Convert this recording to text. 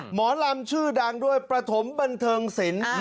หมอลำชื่อดังด้วยประถมบันเทิงศิลป์